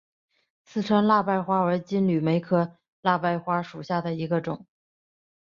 四川蜡瓣花为金缕梅科蜡瓣花属下的一个种。